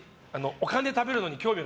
お金。